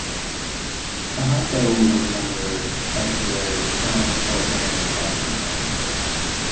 Hahto was a member of the grindcore band Rotten Sound.